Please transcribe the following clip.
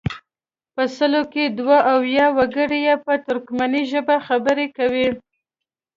په سلو کې دوه اویا وګړي یې په ترکمني ژبه خبرې کوي.